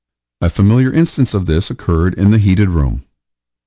A familiar instance of this occurred in the heated room.